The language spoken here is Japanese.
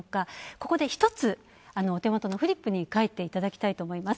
ここで一つ、お手元のフリップに書いていただきたいと思います。